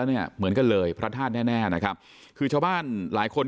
วันนั้นแล้วเหมือนกันเลยพระเทศแน่นะครับคือชาวบ้านหลายคน